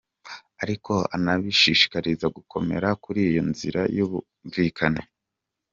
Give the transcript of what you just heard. Ariko anabishishikariza gukomera kuri iyo nzira y’ubwumvikane.